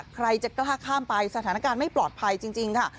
ใครจะกล้าข้ามไปสถานการณ์ไม่ปลอดภัยจริงค่ะ